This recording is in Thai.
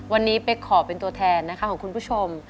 วันนี้เป๊กขอเป็นตัวแทนนะคะของคุณผู้ชม